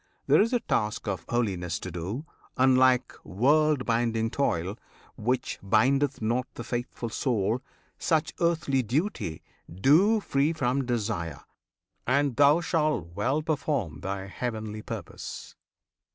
There is a task of holiness to do, Unlike world binding toil, which bindeth not The faithful soul; such earthly duty do Free from desire, and thou shalt well perform Thy heavenly purpose.